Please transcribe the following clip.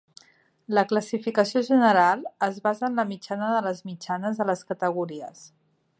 La classificació general es basa en la mitjana de les mitjanes de les categories.